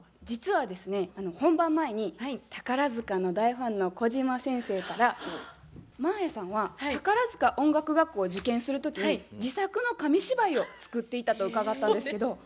実はですね本番前に宝塚の大ファンの小島先生から真彩さんは宝塚音楽学校を受験する時に自作の紙芝居を作っていたと伺ったんですけど。